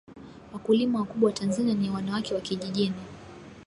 WAkulima wakubwa Tanzania ni wanawake wakijijini